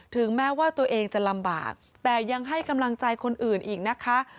ถึงแม้ว่าตัวเองจะลำบากแต่ยังให้กำลังใจคนอื่นอีกนะคะ